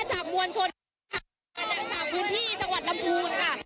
จากมวลชนมือจากบุญที่จังหวัดลำบูนค่ะ